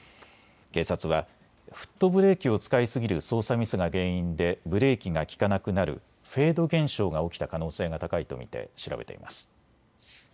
警察はフットブレーキを使いすぎる操作ミスが原因でブレーキが利かなくなるフェード現象が起きた可能性が高いと見て調べています。